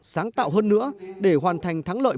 sáng tạo hơn nữa để hoàn thành thắng lợi